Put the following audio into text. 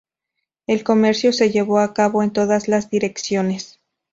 El comercio se llevó a cabo en todas las direcciones.